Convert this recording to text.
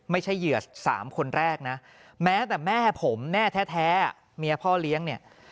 เหยื่อ๓คนแรกนะแม้แต่แม่ผมแม่แท้เมียพ่อเลี้ยงเนี่ย